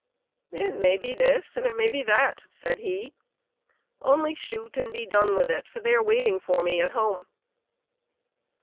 " It may be this and it may be that," said he. " Only shoot and be done with it, for they are waiting for me at home."